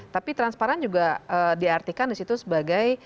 tapi transparan juga diartikan disitu sebagai